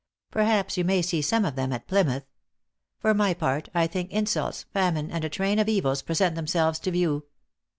Perhaps you may see some of them at Plymouth. For my part, I think insults, famine, and a train of evils present themselves to view.